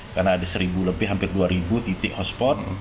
karena ada seribu lebih hampir dua ribu titik hotspot